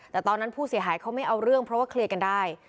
แต่ตอนนั้นผู้เสียหายเขาไม่เอาเรื่องเพราะว่าเคลียร์กันได้